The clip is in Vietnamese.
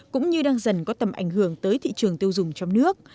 cũng như đang dần có tầm ảnh hưởng tới thị trường tiêu dùng trong nước